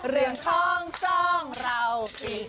เรื่องของซ่องเราสิ